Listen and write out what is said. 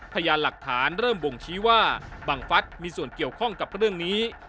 พยานหลักฐานเริ่มบ่งชี้ว่าบังฟัสมีส่วนเกี่ยวข้องกับเรื่องนี้